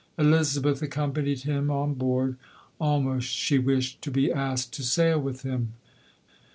Elizabeth accompanied him on board, almost she wished to be asked to sail with him.